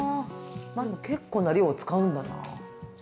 結構な量を使うんだな。